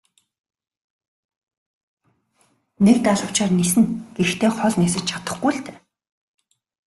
Нэг далавчаар ниснэ гэхдээ хол нисэж чадахгүй л дээ.